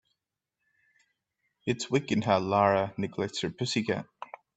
It's wicked how Lara neglects her pussy cat.